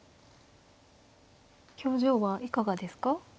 表情はいかがですか。